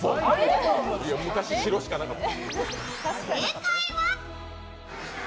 昔、白しかなかった。